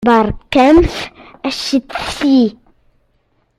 Beṛkamt acetki.